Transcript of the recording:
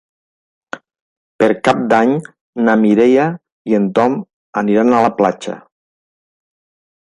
Per Cap d'Any na Mireia i en Tom aniran a la platja.